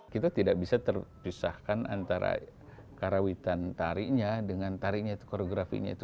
kita tidak bisa terpisahkan antara karawitan tarinya dengan tariknya itu koreografinya itu